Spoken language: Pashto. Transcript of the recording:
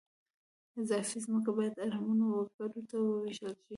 اضافي ځمکه باید اړمنو وګړو ته ووېشل شي